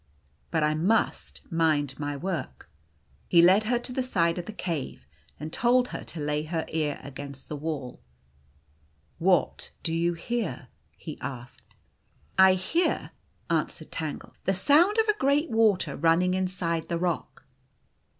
" But I must mind my work." He led her to the side of the cave, and told her to lay her ear against the wall. " What do you hear ? r he asked. " I hear," answered Tangle, " the sound of a great water running inside the rock."